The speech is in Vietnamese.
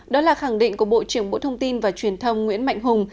đó là khẳng định của bộ trưởng bộ thông tin và truyền thông nguyễn mạnh hùng